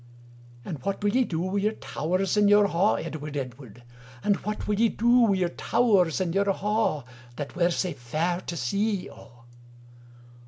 "And what wul ye doe wi your towirs and your ha, Edward, Edward? And what wul you doe wi your towirs and your ha, That were sae fair to see O?"